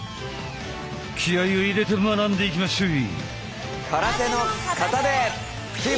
気合いを入れて学んでいきまっしょい！